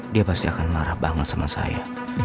dia pasti akan marah banget sama saya